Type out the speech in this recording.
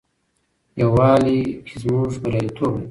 یووالي کې زموږ بریالیتوب دی.